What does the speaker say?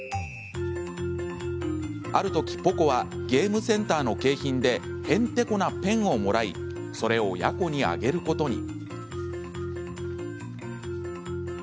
あるときポコはゲームセンターの景品でへんてこなペンをもらいそれをヤコにあげることに。